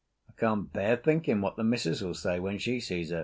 I can't bear thinking what the missus will say when she sees it."